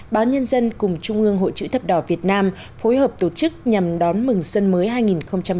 báo nhân dân cùng trung ương hội chữ thập đỏ việt nam phối hợp tổ chức nhằm đón mừng xuân mới hai nghìn hai mươi